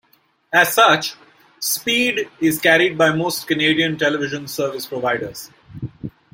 As such, Speed is carried by most Canadian television service providers.